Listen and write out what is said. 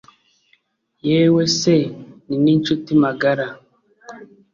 yewe se ni ninshuti magara